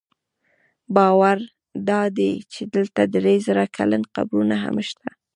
باور دا دی چې دلته درې زره کلن قبرونه هم شته.